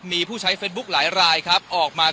ตอนนี้จะเปลี่ยนอย่างนี้หรอว้าง